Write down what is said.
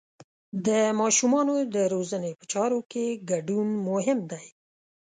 د ماشومانو د روزنې په چارو کې ګډون مهم دی.